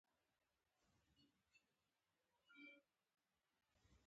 زه نه غواړم چې د دفتر نوی فرش په وینو ولړل شي